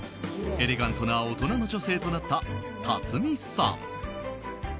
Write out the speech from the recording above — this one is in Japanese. エレガントな大人の女性となった立見さん。